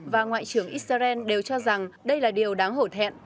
và ngoại trưởng israel đều cho rằng đây là điều đáng hổ thẹn